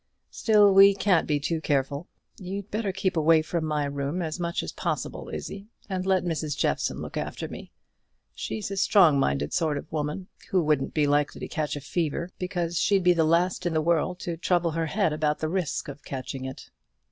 Still we can't be too careful. You'd better keep away from my room as much as possible, Izzie; and let Mrs. Jeffson look after me. She's a strong minded sort of a woman, who wouldn't be likely to catch a fever, because she'd be the last in the world to trouble her head about the risk of catching it."